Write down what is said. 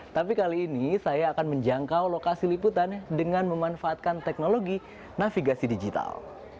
tapi kali ini saya akan menjangkau lokasi liputan dengan memanfaatkan teknologi navigasi digital